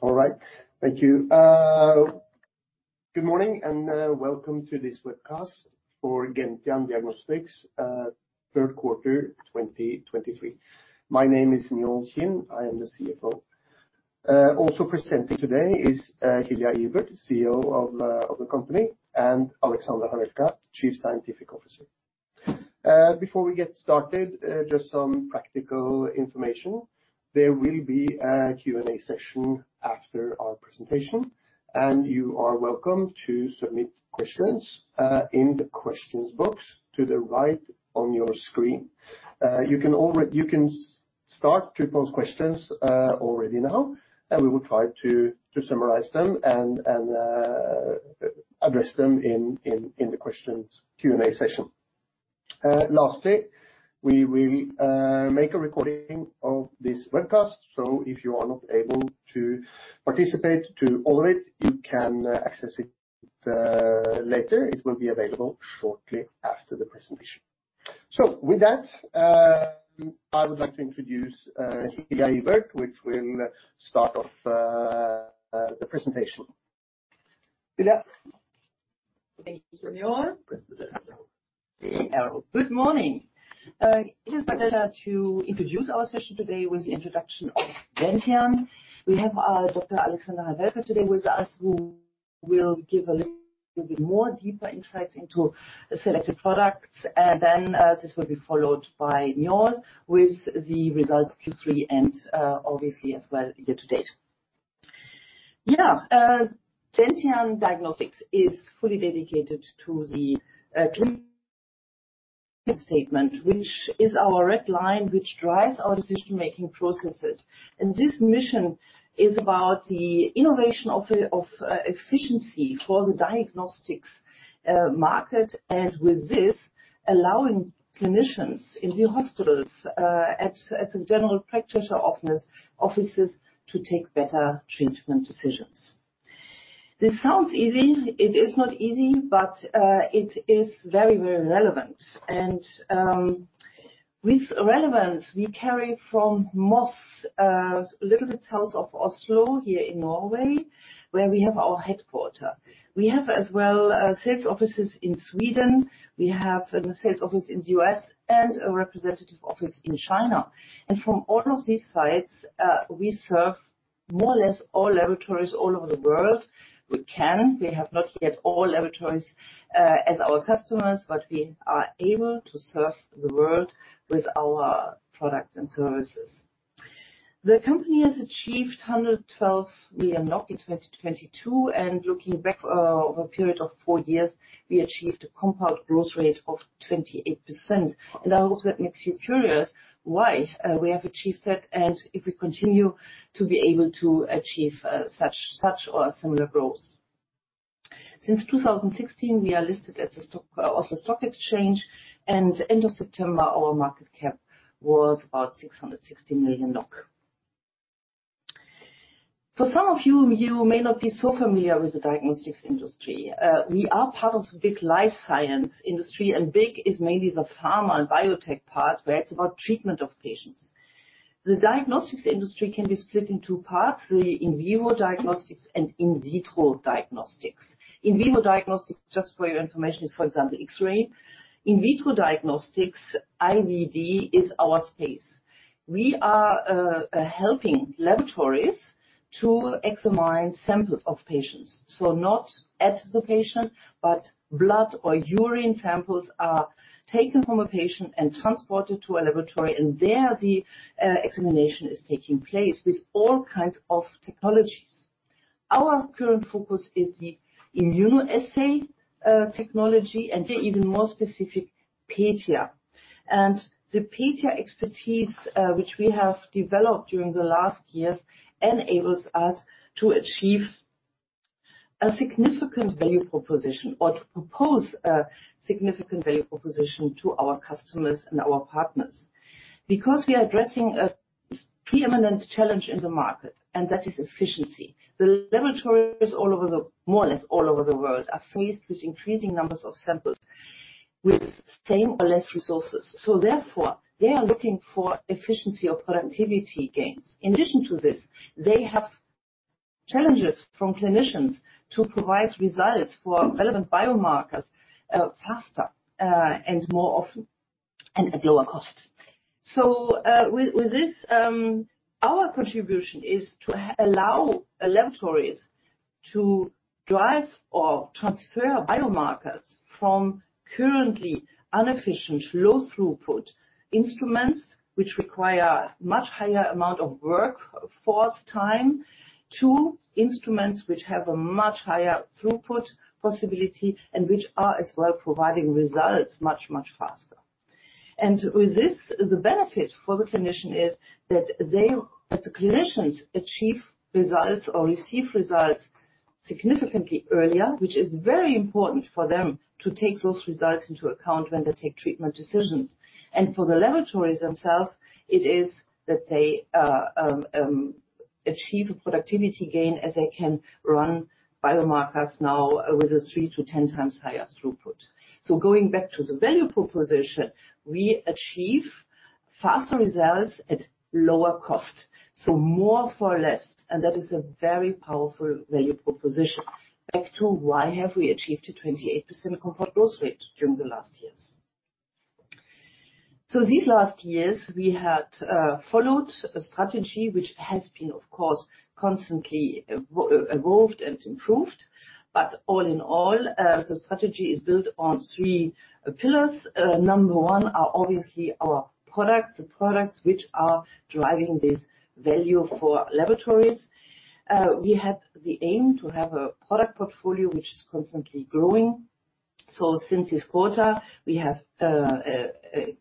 All right. Thank you. Good morning, and welcome to this webcast for Gentian Diagnostics, Third Quarter, 2023. My name is Njaal Kind. I am the CFO. Also presenting today is Hilja Ibert, CEO of the company, and Aleksandra Havelka, Chief Scientific Officer. Before we get started, just some practical information. There will be a Q&A session after our presentation, and you are welcome to submit questions in the questions box to the right on your screen. You can already—you can start to post questions already now, and we will try to summarize them and address them in the questions Q&A session. Lastly, we will make a recording of this webcast, so if you are not able to participate to all of it, you can access it later. It will be available shortly after the presentation. So with that, I would like to introduce Hilja Ibert, which will start off the presentation. Hilja? Thank you, Njaal. Good morning. It is my pleasure to introduce our session today with the introduction of Gentian. We have Dr. Aleksandra Havelka today with us, who will give a little bit more deeper insights into selected products, and then this will be followed by Njaal, with the results Q3 and obviously as well, year-to-date. Yeah, Gentian Diagnostics is fully dedicated to the clean statement, which is our red line, which drives our decision-making processes. And this mission is about the innovation of efficiency for the diagnostics market, and with this, allowing clinicians in the hospitals at the general practitioner office, offices to take better treatment decisions. This sounds easy. It is not easy, but it is very, very relevant. With relevance, we carry from Moss, little bit south of Oslo, here in Norway, where we have our headquarters. We have as well sales offices in Sweden. We have a sales office in the U.S. and a representative office in China. And from all of these sites, we serve more or less all laboratories all over the world. We can, we have not yet all laboratories as our customers, but we are able to serve the world with our products and services. The company has achieved 112 million in 2022, and looking back, over a period of four years, we achieved a compound growth rate of 28%. And I hope that makes you curious why we have achieved that and if we continue to be able to achieve such, such or similar growth. Since 2016, we are listed at the Oslo Stock Exchange, and end of September, our market cap was about 660 million. For some of you, you may not be so familiar with the diagnostics industry. We are part of the big life science industry, and big is mainly the pharma and biotech part, where it's about treatment of patients. The diagnostics industry can be split in two parts, the in vivo diagnostics and in vitro diagnostics. In vivo diagnostics, just for your information, is, for example, X-ray. In vitro diagnostics, IVD, is our space. We are helping laboratories to examine samples of patients, so not at the patient, but blood or urine samples are taken from a patient and transported to a laboratory, and there, the examination is taking place with all kinds of technologies. Our current focus is the immunoassay technology, and even more specific, PETIA. The PETIA expertise, which we have developed during the last years, enables us to achieve a significant value proposition or to propose a significant value proposition to our customers and our partners. Because we are addressing a preeminent challenge in the market, and that is efficiency. The laboratories, more or less all over the world, are faced with increasing numbers of samples, with same or less resources. So therefore, they are looking for efficiency or productivity gains. In addition to this, they have challenges from clinicians to provide results for relevant biomarkers faster, and more often, and at lower cost. So, with this, our contribution is to allow laboratories to drive or transfer biomarkers from currently inefficient, low throughput instruments, which require much higher amount of work, for time, to instruments which have a much higher throughput possibility, and which are as well, providing results much, much faster. And with this, the benefit for the clinician is that they, as the clinicians, achieve results or receive results significantly earlier, which is very important for them to take those results into account when they take treatment decisions. And for the laboratories themselves, it is that they achieve a productivity gain, as they can run biomarkers now with a 3 times-10 times higher throughput. So going back to the value proposition, we achieve faster results at lower cost, so more for less, and that is a very powerful value proposition. Back to why have we achieved a 28% compound growth rate during the last years? So these last years, we had followed a strategy which has been, of course, constantly evolved and improved. But all in all, the strategy is built on three pillars. Number one are obviously our products, the products which are driving this value for laboratories. We had the aim to have a product portfolio which is constantly growing. So since this quarter, we have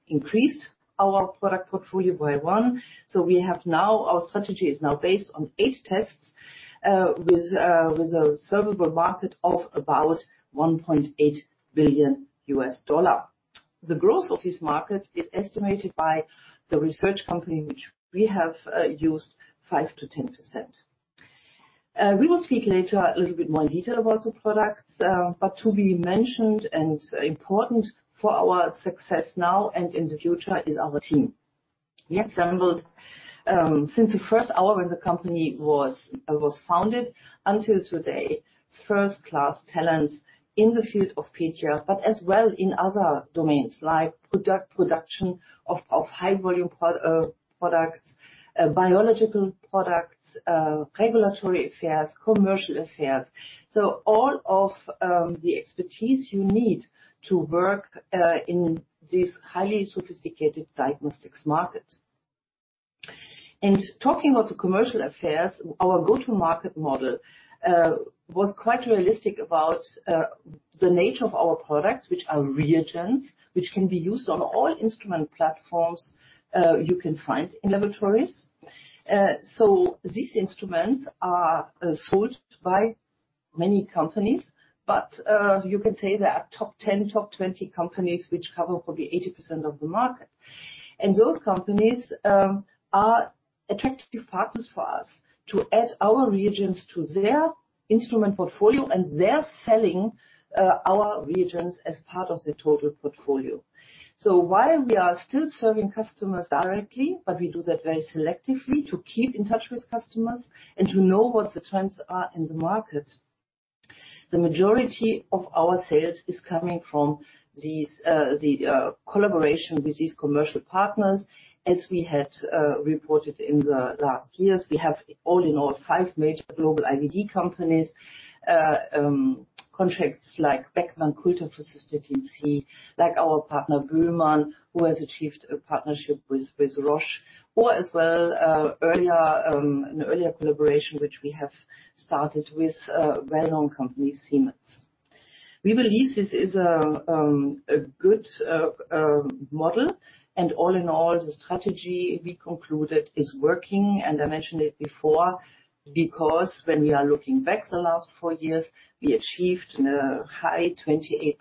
increased our product portfolio by one. So we have now—our strategy is now based on eight tests, with a addressable market of about $1.8 billion. The growth of this market is estimated by the research company, which we have used 5%-10%. We will speak later a little bit more in detail about the products, but to be mentioned and important for our success now and in the future is our team. We have assembled since the first hour when the company was founded until today first-class talents in the field of PETIA, but as well in other domains, like product production of high volume products, biological products, regulatory affairs, commercial affairs. So all of the expertise you need to work in this highly sophisticated diagnostics market. Talking about the commercial affairs, our go-to-market model was quite realistic about the nature of our products, which are reagents, which can be used on all instrument platforms you can find in laboratories. So these instruments are sold by many companies, but you can say there are top 10, top 20 companies which cover probably 80% of the market. And those companies are attractive partners for us to add our reagents to their instrument portfolio, and they're selling our reagents as part of their total portfolio. So while we are still serving customers directly, but we do that very selectively to keep in touch with customers and to know what the trends are in the market, the majority of our sales is coming from these, the, collaboration with these commercial partners. As we had reported in the last years, we have, all in all, five major global IVD companies contracts like Beckman Coulter for Cystatin C, like our partner, BÜHLMANN, who has achieved a partnership with Roche, or as well earlier an earlier collaboration, which we have started with a well-known company, Siemens. We believe this is a good model, and all in all, the strategy we concluded is working, and I mentioned it before, because when we are looking back the last four years, we achieved a high 28%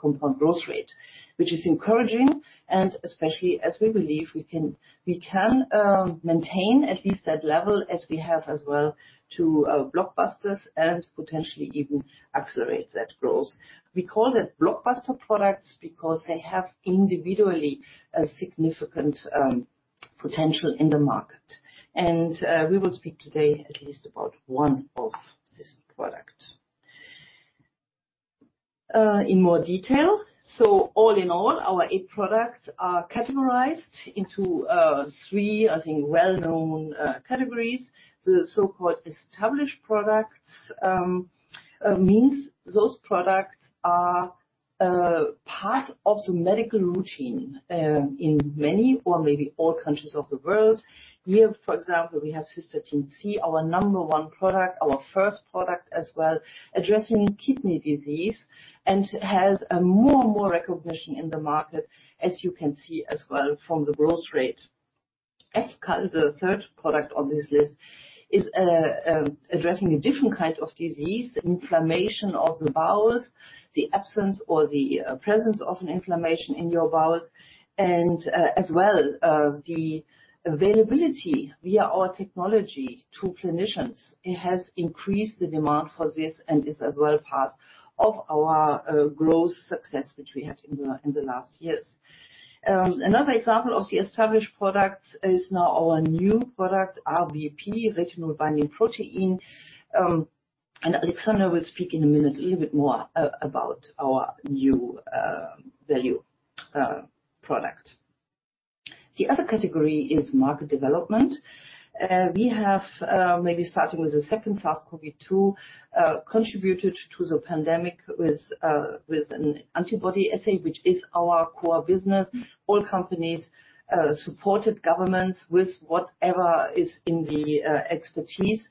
compound growth rate. Which is encouraging, and especially as we believe we can maintain at least that level as we have as well to blockbusters and potentially even accelerate that growth. We call them blockbuster products because they have individually a significant potential in the market, and we will speak today at least about one of these products in more detail. So all in all, our eight products are categorized into three, I think, well-known categories. The so-called established products means those products are part of the medical routine in many or maybe all countries of the world. Here, for example, we have Cystatin C, our number one product, our first product as well, addressing kidney disease, and it has a more and more recognition in the market, as you can see as well from the growth rate. FCal, the third product on this list, is addressing a different kind of disease, inflammation of the bowels, the absence or the presence of an inflammation in your bowels, and as well the availability via our technology to clinicians. It has increased the demand for this and is as well part of our growth success, which we had in the last years. Another example of the established products is now our new product, RBP, Retinol-Binding Protein. And Aleksandra will speak in a minute a little bit more about our new value product. The other category is market development. We have maybe starting with the second SARS-CoV-2 contributed to the pandemic with an antibody assay, which is our core business. All companies supported governments with whatever is in the expertise.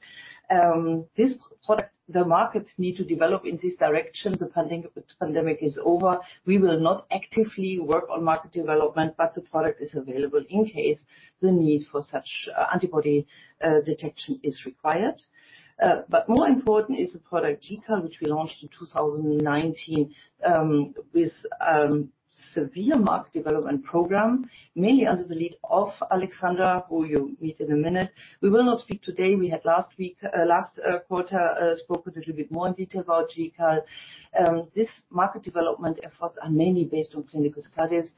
This product, the markets need to develop in this direction. The pandemic is over. We will not actively work on market development, but the product is available in case the need for such antibody detection is required. But more important is the product GCAL, which we launched in 2019 with severe market development program, mainly under the lead of Aleksandra, who you'll meet in a minute. We will not speak today. We had last week last quarter spoke a little bit more in detail about GCAL. This market development efforts are mainly based on clinical studies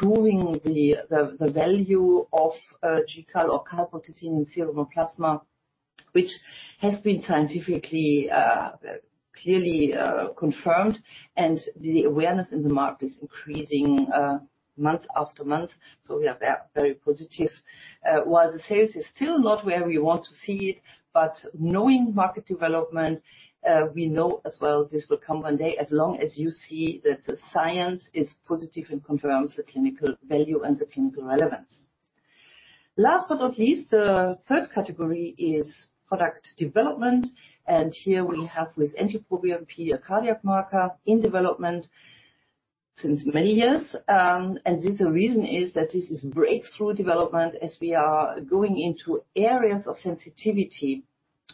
proving the value of GCAL or calprotectin in serum and plasma, which has been scientifically clearly confirmed, and the awareness in the market is increasing month after month. So we are very positive. While the sales is still not where we want to see it, but knowing market development, we know as well this will come one day, as long as you see that the science is positive and confirms the clinical value and the clinical relevance. Last but not least, the third category is product development, and here we have with NT-proBNP, a cardiac marker in development since many years. And this, the reason is that this is breakthrough development as we are going into areas of sensitivity,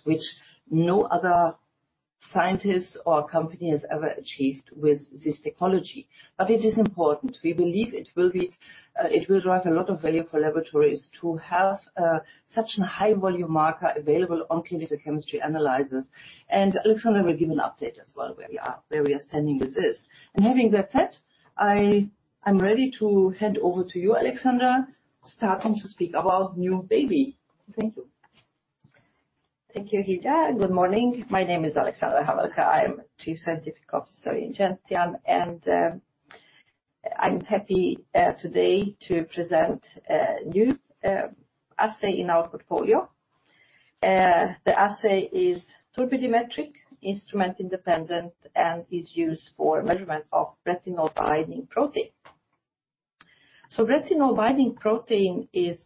which no other scientist or company has ever achieved with this technology. But it is important. We believe it will be, it will drive a lot of value for laboratories to have, such a high volume marker available on clinical chemistry analyzers. Aleksandra will give an update as well, where we are, where we are standing with this. Having that said, I'm ready to hand over to you, Aleksandra, starting to speak about new baby. Thank you. Thank you, Hilja, and good morning. My name is Aleksandra Havelka. I'm Chief Scientific Officer in Gentian, and I'm happy today to present a new assay in our portfolio. The assay is Turbidimetric, instrument independent, and is used for measurement of Retinol-Binding Protein. So Retinol-Binding Protein is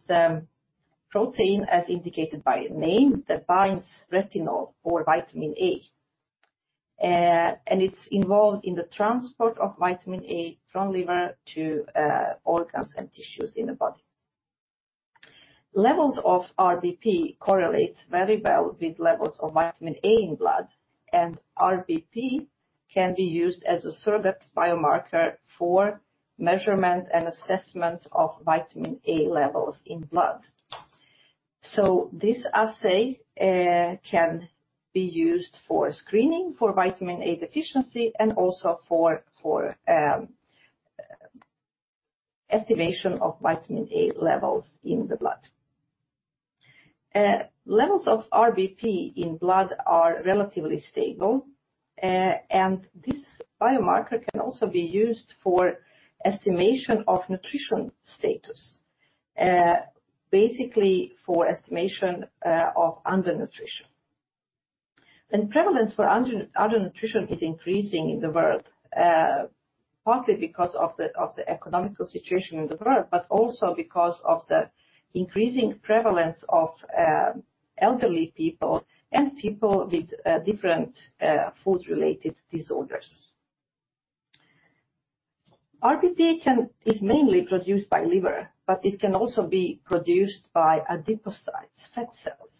protein, as indicated by the name, that binds retinol or vitamin A. And it's involved in the transport of vitamin A from liver to organs and tissues in the body. Levels of RBP correlates very well with levels of vitamin A in blood, and RBP can be used as a surrogate biomarker for measurement and assessment of vitamin A levels in blood. So this assay can be used for screening for vitamin A deficiency and also for estimation of vitamin A levels in the blood. Levels of RBP in blood are relatively stable, and this biomarker can also be used for estimation of nutrition status, basically for estimation of undernutrition. Prevalence of undernutrition is increasing in the world, partly because of the economic situation in the world, but also because of the increasing prevalence of elderly people and people with different food-related disorders. RBP is mainly produced by liver, but it can also be produced by adipocytes, fat cells.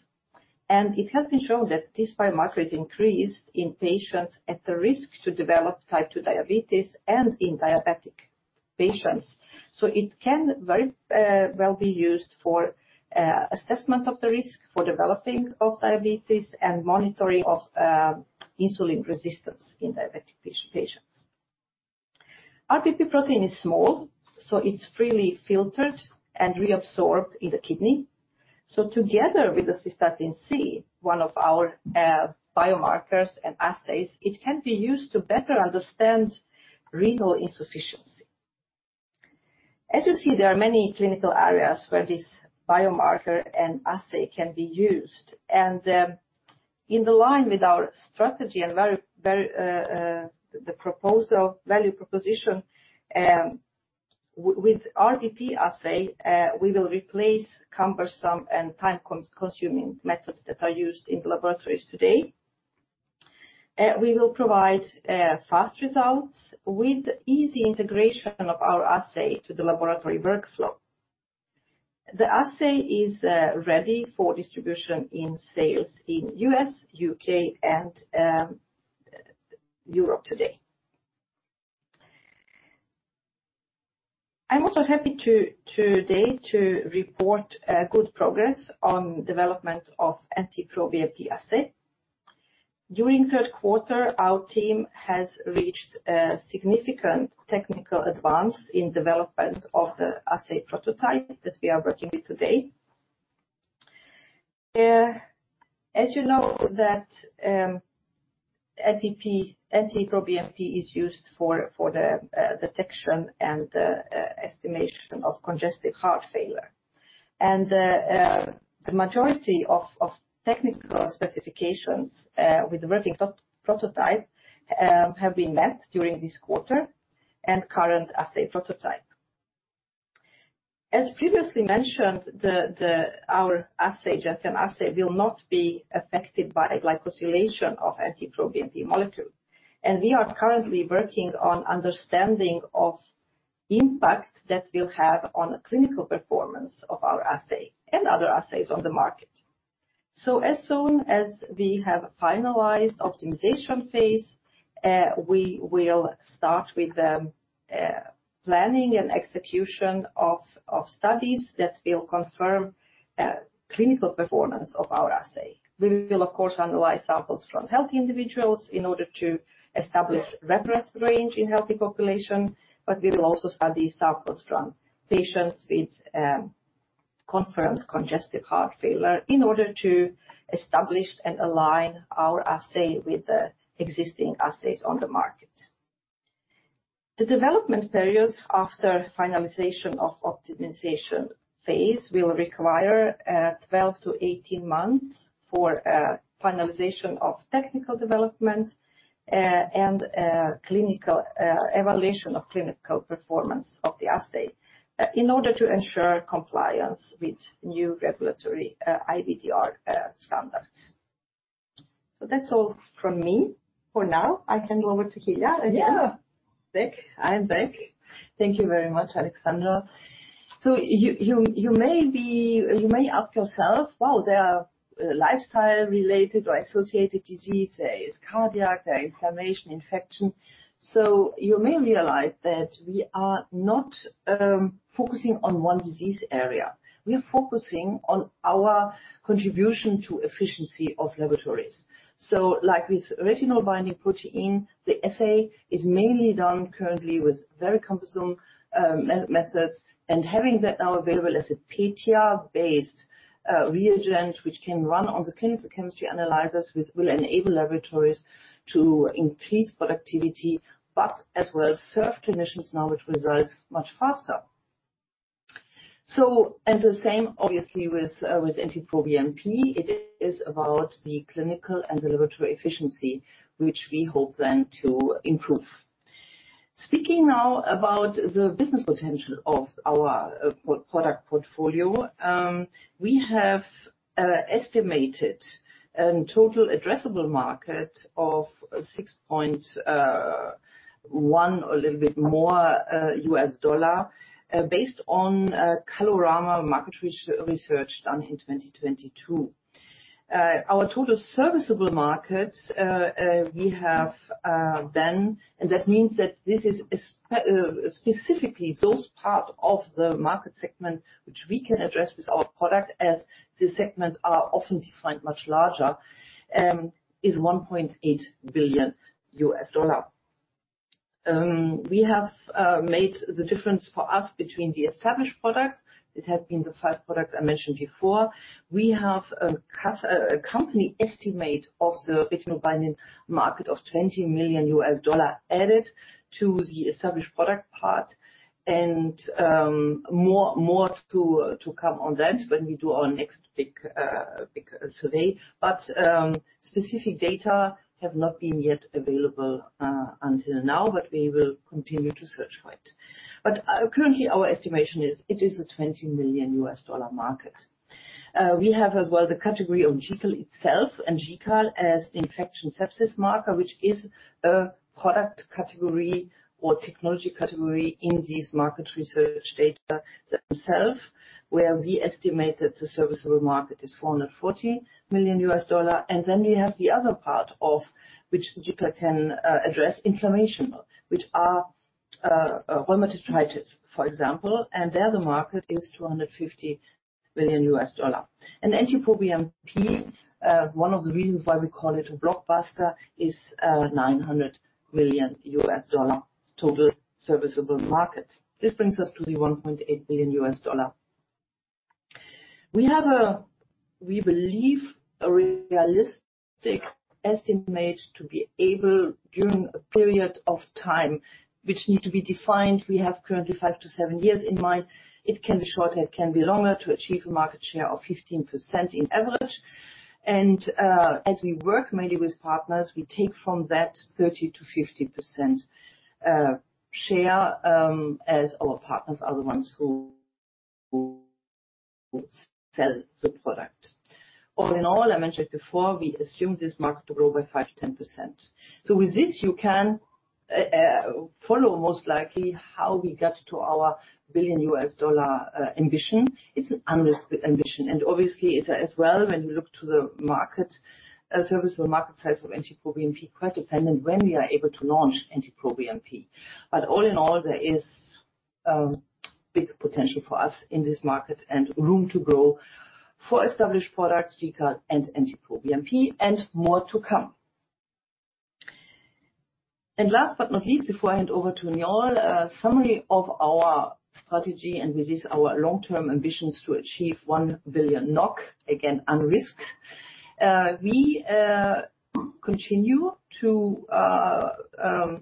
It has been shown that this biomarker is increased in patients at risk to develop type 2 diabetes and in diabetic patients. So it can very well be used for assessment of the risk for development of diabetes and monitoring of insulin resistance in diabetic patients. RBP protein is small, so it's freely filtered and reabsorbed in the kidney. So together with the Cystatin C, one of our biomarkers and assays, it can be used to better understand renal insufficiency. As you see, there are many clinical areas where this biomarker and assay can be used, and in the line with our strategy and the proposal value proposition with RBP assay, we will replace cumbersome and time-consuming methods that are used in the laboratories today. We will provide fast results with easy integration of our assay to the laboratory workflow. The assay is ready for distribution in sales in U.S., U.K., and Europe today. I'm also happy today to report good progress on development of NT-proBNP assay. During third quarter, our team has reached a significant technical advance in development of the assay prototype that we are working with today. As you know, that, BNP, NT-proBNP, is used for the detection and the estimation of congestive heart failure. And the majority of technical specifications with the working prototype have been met during this quarter and current assay prototype. As previously mentioned, our assay, Gentian assay, will not be affected by glycosylation of NT-proBNP molecule, and we are currently working on understanding of impact that will have on the clinical performance of our assay and other assays on the market. So as soon as we have finalized optimization phase, we will start with the planning and execution of studies that will confirm clinical performance of our assay. We will, of course, analyze samples from healthy individuals in order to establish reference range in healthy population, but we will also study samples from patients with confirmed congestive heart failure in order to establish and align our assay with the existing assays on the market. The development period after finalization of optimization phase will require 12 months-18 months for finalization of technical development, and clinical evaluation of clinical performance of the assay, in order to ensure compliance with new regulatory IVDR standards. So that's all from me for now. I hand over to Hilja again. Yeah. Back. I'm back. Thank you very much, Aleksandra. So you may ask yourself, "Wow, there are lifestyle-related or associated diseases, there is cardiac, there inflammation, infection." So you may realize that we are not focusing on one disease area. We are focusing on our contribution to efficiency of laboratories. So like with Retinol-Binding Protein, the assay is mainly done currently with very cumbersome methods, and having that now available as a PETIA-based reagent, which can run on the clinical chemistry analyzers, which will enable laboratories to increase productivity, but as well serve clinicians now with results much faster. So, and the same, obviously, with NT-proBNP, it is about the clinical and the laboratory efficiency, which we hope then to improve. Speaking now about the business potential of our product portfolio, we have estimated total addressable market of $6.1, a little bit more, based on Kalorama market research done in 2022. Our total serviceable markets, we have then, and that means that this is specifically those part of the market segment, which we can address with our product, as the segments are often defined much larger, is $1.8 billion. We have made the difference for us between the established product. It has been the five products I mentioned before. We have a company estimate of the Retinol-Binding market of $20 million added to the established product part, and more to come on that when we do our next big survey. But specific data have not been yet available until now, but we will continue to search for it. But currently, our estimation is it is a $20 million market. We have as well the category of GCAL itself, and GCAL as infection sepsis marker, which is a product category or technology category in this market research data themselves, where we estimate that the serviceable market is $440 million. Then we have the other part of which GCAL can address inflammation, which are rheumatoid arthritis, for example, and there the market is $250 billion. And NT-proBNP, one of the reasons why we call it a blockbuster, is $900 million total serviceable market. This brings us to the $1.8 billion. We have a, we believe, a realistic estimate to be able, during a period of time, which need to be defined, we have currently 5 years-7 years in mind. It can be shorter, it can be longer, to achieve a market share of 15% in average. And, as we work mainly with partners, we take from that 30%-50% share, as our partners are the ones who sell the product. All in all, I mentioned before, we assume this market to grow by 5%-10%. So with this, you can follow, most likely, how we get to our $1 billion ambition. It's an unrisked ambition, and obviously, it's as well, when we look to the market, service or market size of NT-proBNP, quite dependent when we are able to launch NT-proBNP. But all in all, there is big potential for us in this market and room to grow for established products, GCAL and NT-proBNP, and more to come. And last but not least, before I hand over to Njaal, a summary of our strategy, and with this, our long-term ambitions to achieve 1 billion NOK, again, unrisked. We continue to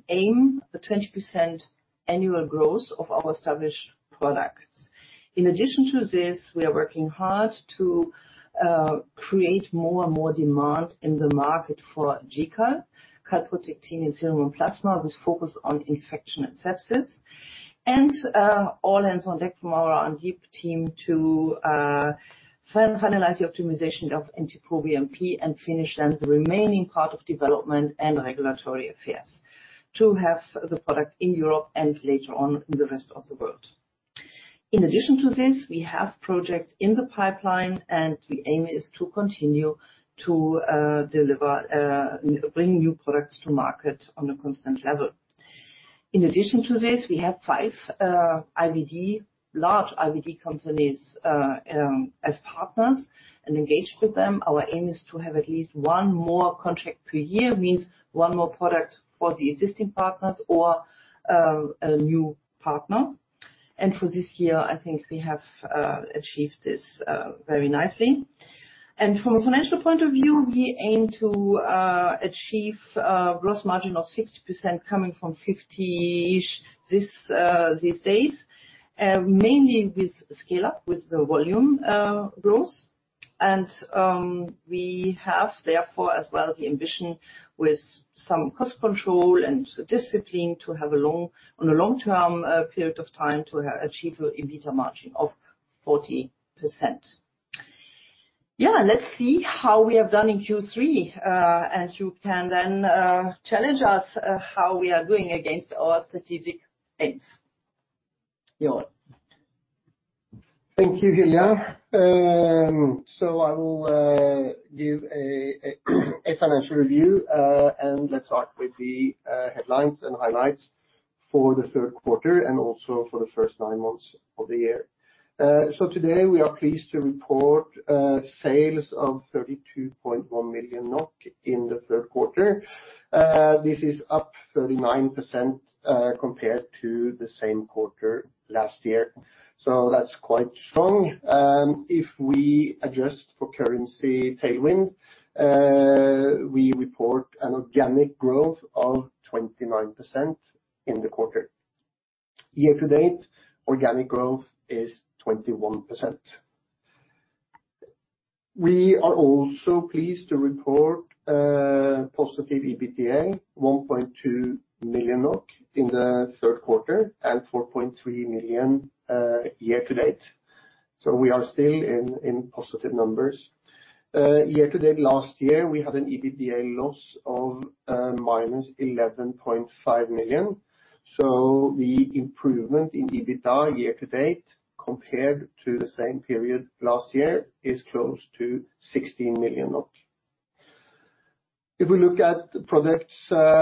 aim for 20% annual growth of our established products. In addition to this, we are working hard to create more and more demand in the market for GCAL, calprotectin in serum and plasma, with focus on infection and sepsis. And all hands on deck from our R&D team to finalize the optimization of NT-proBNP and finish then the remaining part of development and regulatory affairs, to have the product in Europe and later on in the rest of the world. In addition to this, we have projects in the pipeline, and the aim is to continue to deliver, bring new products to market on a constant level. In addition to this, we have five IVD, large IVD companies as partners and engage with them. Our aim is to have at least one more contract per year, means one more product for the existing partners or a new partner. For this year, I think we have achieved this very nicely. From a financial point of view, we aim to achieve a gross margin of 60% coming from 50-ish these days, mainly with scale up, with the volume growth. We have, therefore, as well, the ambition with some cost control and discipline to have a long- on a long-term period of time to achieve an EBITDA margin of 40%. Yeah, let's see how we have done in Q3. You can then challenge us how we are doing against our strategic aims. Njaal? Thank you, Hilja. So I will give a financial review. And let's start with the headlines and highlights for the third quarter and also for the first nine months of the year. So today, we are pleased to report sales of 32.1 million NOK in the third quarter. This is up 39% compared to the same quarter last year, so that's quite strong. If we adjust for currency tailwind, we report an organic growth of 29% in the quarter. Year-to-date, organic growth is 21%. We are also pleased to report positive EBITDA, 1.2 million NOK in the third quarter and 4.3 million year-to- date, so we are still in positive numbers. Year-to-date last year, we had an EBITDA loss of -11.5 million. So the improvement in EBITDA year-to-date, compared to the same period last year, is close to 16 million. If we look at the products, let's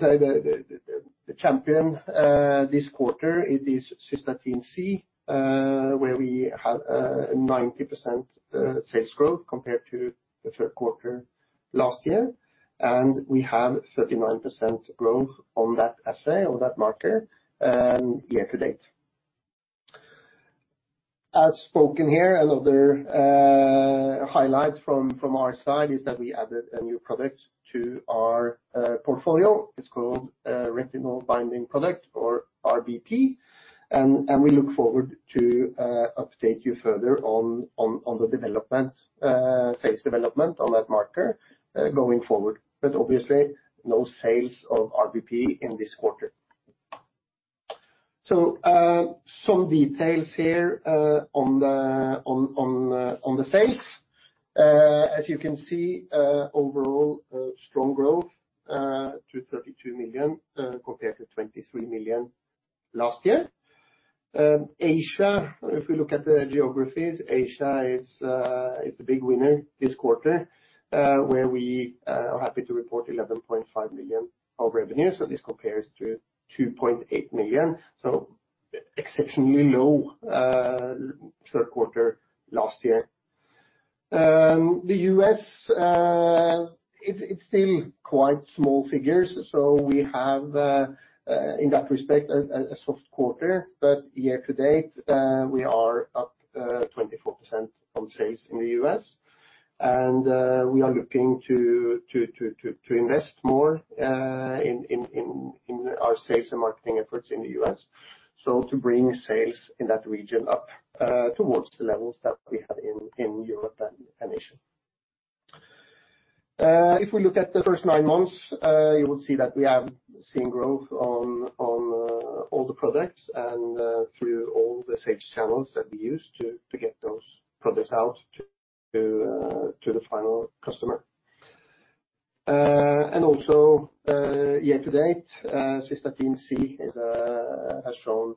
say, the champion this quarter, it is Cystatin C, where we have 90% sales growth compared to the third quarter last year, and we have 39% growth on that assay or that marker year-to-date. As spoken here, another highlight from our side is that we added a new product to our portfolio. It's called Retinol-Binding Protein or RBP, and we look forward to update you further on the development, sales development on that marker going forward. But obviously, no sales of RBP in this quarter. So, some details here, on the sales. As you can see, overall, strong growth, to 32 million, compared to 23 million last year. Asia, if we look at the geographies, Asia is the big winner this quarter, where we are happy to report 11.5 million of revenue, so this compares to 2.8 million, so exceptionally low, third quarter last year. The U.S., it's still quite small figures, so we have, in that respect, a soft quarter. But year-to-date, we are up 24% on sales in the U.S., and we are looking to invest more in our sales and marketing efforts in the U.S. So to bring sales in that region up towards the levels that we have in Europe and Asia. If we look at the first nine months, you will see that we have seen growth on all the products and through all the sales channels that we use to get those products out to the final customer. And also, year-to-date, Cystatin C has shown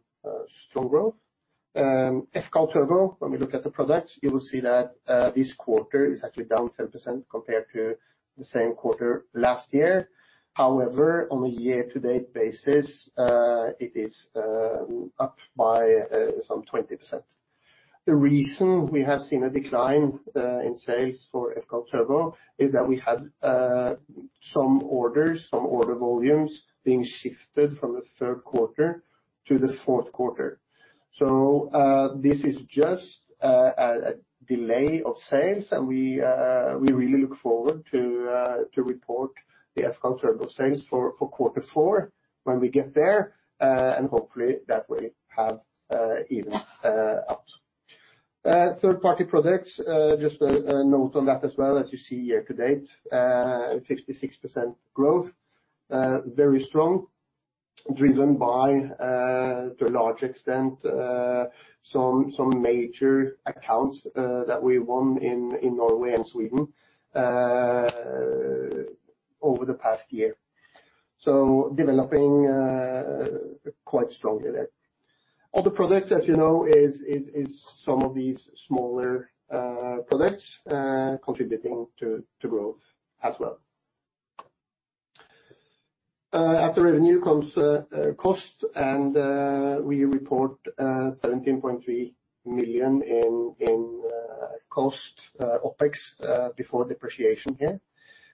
strong growth. fCAL turbo, when we look at the product, you will see that this quarter is actually down 10% compared to the same quarter last year. However, on a year-to-date basis, it is up by some 20%. The reason we have seen a decline in sales for fCAL turbo is that we had some orders, some order volumes, being shifted from the third quarter to the fourth quarter. So, this is just a delay of sales, and we really look forward to report the fCAL turbo sales for quarter four when we get there, and hopefully that will have even out. Third-party products, just a note on that as well. As you see year-to-date, 66% growth, very strong, driven by, to a large extent, some major accounts that we won in Norway and Sweden over the past year. So developing quite strongly there. Other products, as you know, is some of these smaller products contributing to growth as well. After revenue comes cost, and we report 17.3 million in cost OpEx before depreciation here.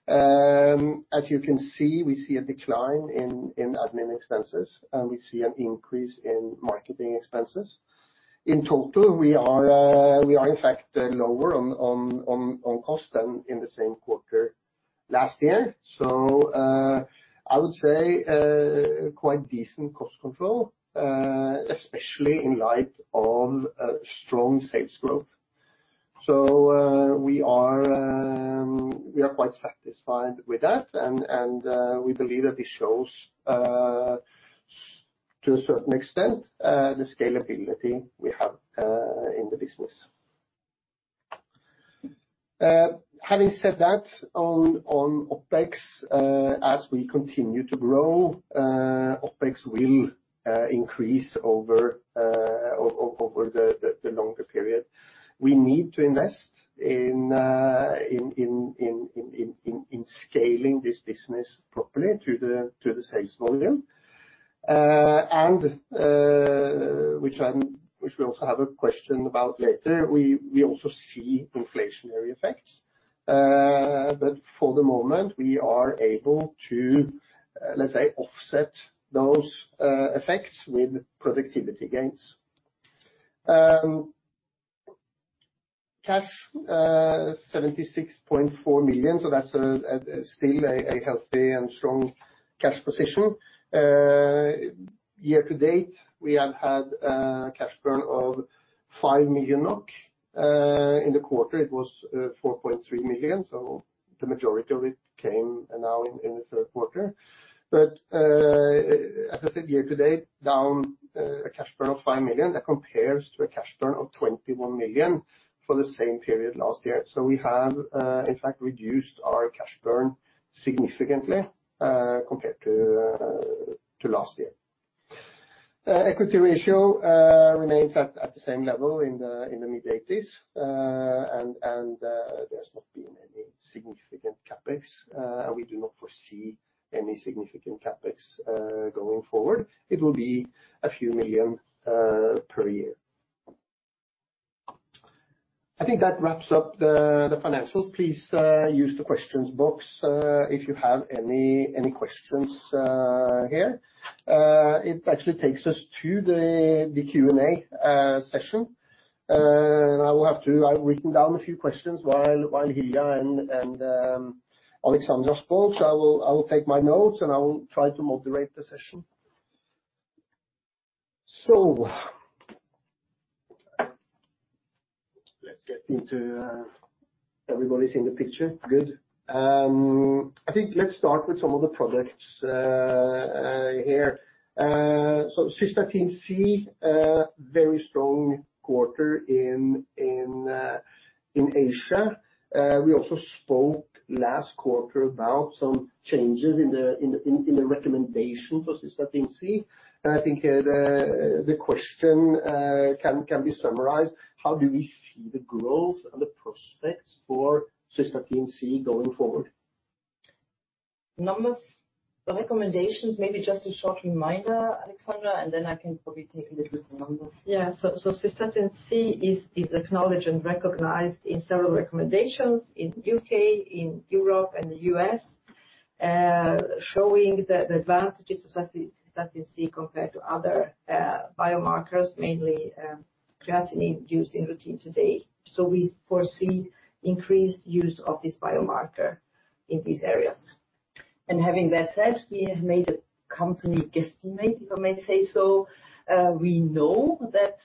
As you can see, we see a decline in admin expenses, and we see an increase in marketing expenses. In total, we are in fact lower on cost than in the same quarter last year. So, I would say quite decent cost control, especially in light of a strong sales growth. So, we are quite satisfied with that, and we believe that this shows, to a certain extent, the scalability we have in the business. Having said that, on OpEx, as we continue to grow, OpEx will increase over the longer period. We need to invest in scaling this business properly to the sales volume. And which we also have a question about later, we also see inflationary effects. But for the moment, we are able to, let's say, offset those effects with productivity gains. Cash, 76.4 million, so that's still a healthy and strong cash position. Year-to-date, we have had a cash burn of 5 million NOK. In the quarter, it was 4.3 million, so the majority of it came now in the third quarter. But as I said, year-to-date down a cash burn of 5 million, that compares to a cash burn of 21 million for the same period last year. So we have in fact reduced our cash burn significantly compared to last year. Equity ratio remains at the same level in the mid-80s. And there's not been any significant CapEx, and we do not foresee any significant CapEx going forward. It will be a few million NOK per year. I think that wraps up the financials. Please use the questions box if you have any questions here. It actually takes us to the Q&A session. And I will have to. I've written down a few questions while Hilja and Aleksandra spoke, so I will take my notes, and I will try to moderate the session. So let's get into... Everybody's in the picture? Good. I think let's start with some of the products here. So Cystatin C, very strong quarter in Asia. We also spoke last quarter about some changes in the recommendation for Cystatin C. And I think here the question can be summarized: how do we see the growth and the prospects for Cystatin C going forward? Numbers, the recommendations, maybe just a short reminder, Aleksandra, and then I can probably take a little the numbers. Yeah. So cystatin C is acknowledged and recognized in several recommendations in U.K., in Europe, and the U.S., showing the advantages of cystatin C compared to other biomarkers, mainly creatinine used in routine today. So we foresee increased use of this biomarker in these areas. Having that said, we have made a company guesstimate, if I may say so. We know that,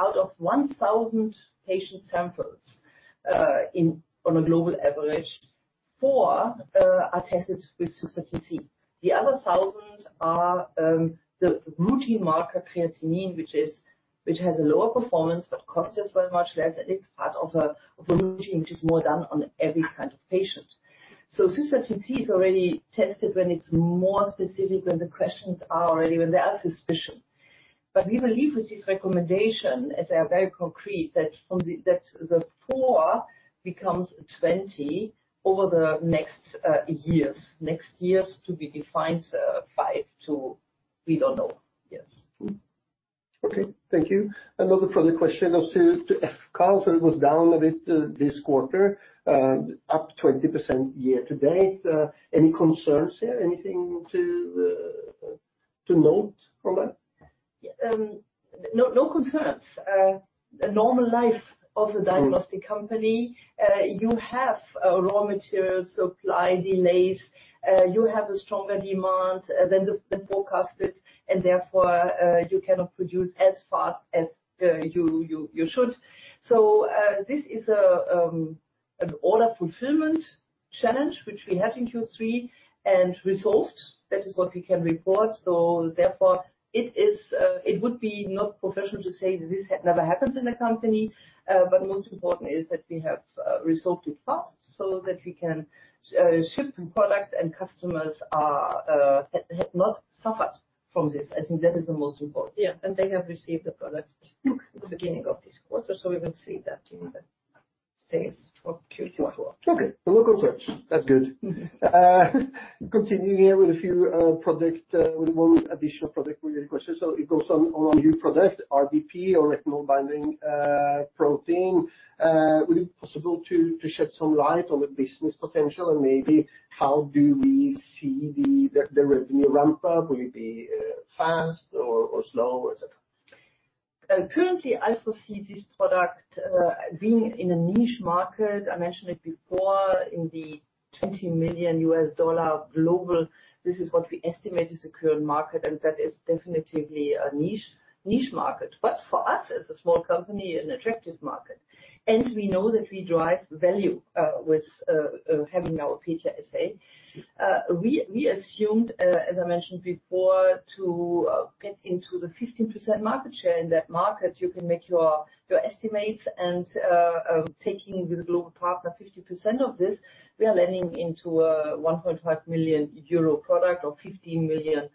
out of 1,000 patient samples, on a global average, four are tested with Cystatin C. The other 1,000 are the routine marker, creatinine, which has a lower performance, but cost us very much less, and it's part of a routine which is more done on every kind of patient. So Cystatin C is already tested when it's more specific, when the questions are already, when there are suspicion. But we believe with this recommendation, as they are very concrete, that the four becomes 20 over the next years. Next years to be defined, five to we don't know. Yes. Okay, thank you. Another further question was to fCAL, so it was down a bit this quarter, up 20% year-to-date. Any concerns here? Anything to note from that? Yeah, no, no concerns. A normal life of a diagnostic company, you have raw material supply delays, you have a stronger demand than forecasted, and therefore, you cannot produce as fast as you should. So, this is an order fulfillment challenge, which we had in Q3 and resolved. That is what we can report. So therefore, it would be not professional to say that this never happens in the company, but most important is that we have resolved it fast, so that we can ship the product and customers have not suffered from this. I think that is the most important. Yeah, and they have received the product- Yes at the beginning of this quarter, so we will see that in the... stays for Q2. Okay, the local search, that's good. Continuing here with a few product with one additional product related question. So it goes on, on our new product, RBP or Retinol-Binding Protein. Would it be possible to shed some light on the business potential? And maybe how do we see the revenue ramp up? Will it be fast or slow, et cetera? Currently, I foresee this product being in a niche market. I mentioned it before, in the $20 million global, this is what we estimate is the current market, and that is definitely a niche, niche market. But for us, as a small company, an attractive market, and we know that we drive value with having our PETIA assay. We assumed, as I mentioned before, to get into the 15% market share in that market, you can make your estimates and taking with global partner 50% of this, we are landing into a 1.5 million euro product, or 15 million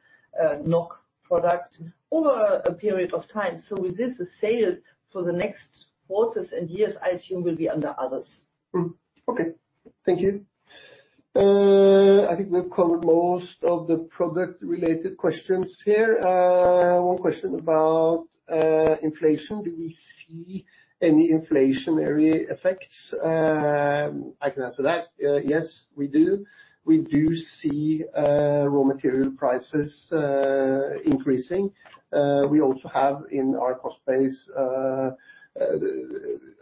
NOK product over a period of time. So with this, the sales for the next quarters and years, I assume, will be under others. Okay. Thank you. I think we've covered most of the product-related questions here. One question about inflation: Do we see any inflationary effects? I can answer that. Yes, we do. We do see raw material prices increasing. We also have, in our cost base,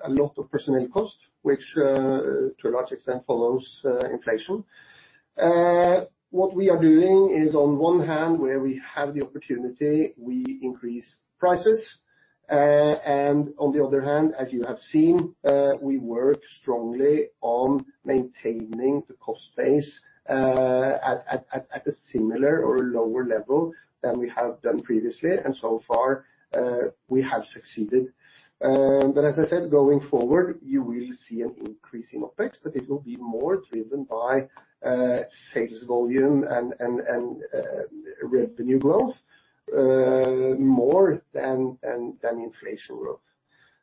a lot of personnel costs, which, to a large extent, follows inflation. What we are doing is, on one hand, where we have the opportunity, we increase prices. And on the other hand, as you have seen, we work strongly on maintaining the cost base at a similar or lower level than we have done previously, and so far, we have succeeded. But as I said, going forward, you will see an increase in OpEx, but it will be more driven by sales volume and revenue growth, more than inflation growth.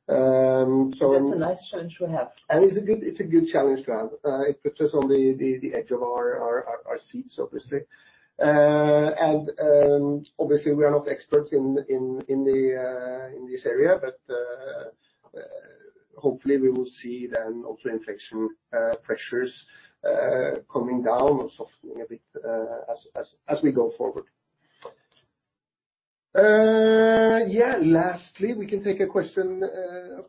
So- That's a nice challenge we have. And it's a good, it's a good challenge to have. It puts us on the edge of our seats, obviously. And obviously, we are not experts in this area, but hopefully, we will see then also inflation pressures coming down or softening a bit, as we go forward. Yeah. Lastly, we can take a question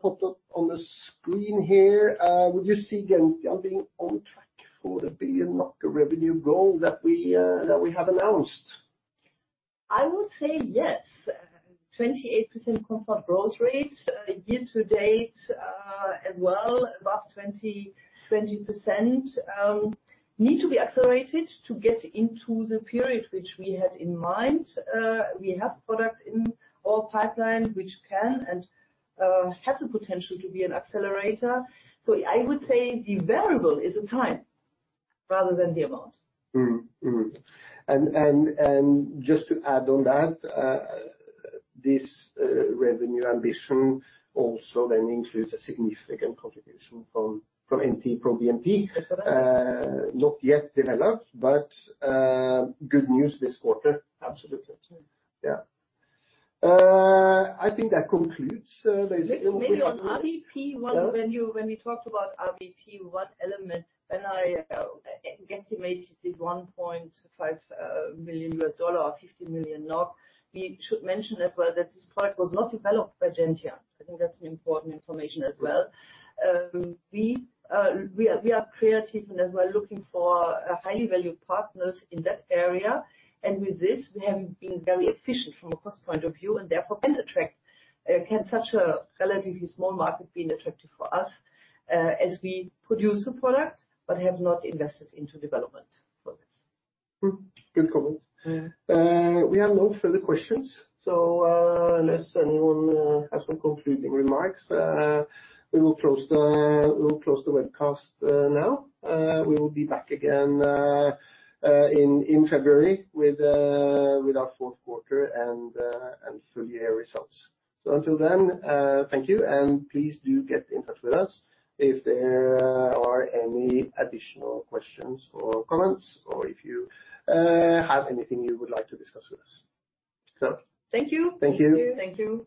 popped up on the screen here. Would you see Gentian being on track for the 1 billion revenue goal that we have announced? I would say yes. 28% compound growth rate year-to-date as well, above 20%, need to be accelerated to get into the period which we had in mind. We have products in our pipeline which can and have the potential to be an accelerator. So I would say the variable is the time rather than the amount. Mm-hmm. Mm-hmm. And just to add on that, this revenue ambition also then includes a significant contribution from NT-proBNP. That's right. Not yet developed, but good news this quarter. Absolutely. Yeah. I think that concludes, basically- Maybe on RBP, one- Yeah. When we talked about RBP, what element? When I guesstimated this $1.5 million or 50 million, we should mention as well that this product was not developed by Gentian. I think that's an important information as well. We are creative and as well looking for highly valued partners in that area. And with this, we have been very efficient from a cost point of view, and therefore can attract. Can such a relatively small market be attractive for us, as we produce a product but have not invested into development for this. Mm, good comment. Mm. We have no further questions, so unless anyone has some concluding remarks, we will close the webcast now. We will be back again in February with our fourth quarter and full year results. So until then, thank you, and please do get in touch with us if there are any additional questions or comments, or if you have anything you would like to discuss with us. So- Thank you. Thank you. Thank you. Thank you.